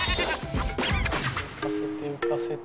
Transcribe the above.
浮かせて浮かせて。